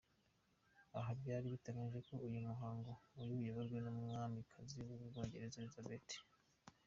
Aho byari biteganijwe ko uyu muhango uri buyoborwe n’Umwamikazi w’u Bwongereza Elizabeth.